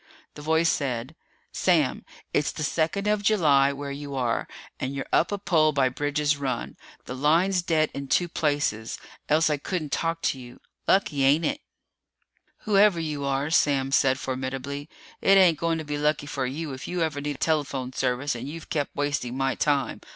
The voice said, "Sam, it's the second of July where you are, and you're up a pole by Bridge's Run. The line's dead in two places, else I couldn't talk to you. Lucky, ain't it?" "Whoever you are," Sam said formidably, "it ain't going to be lucky for you if you ever need telephone service and you've kept wasting my time.